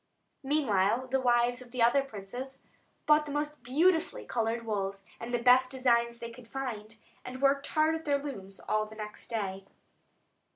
Meanwhile the wives of the other princes bought the most beautifully coloured wools, and the best designs they could find, and worked hard at their looms all the next day.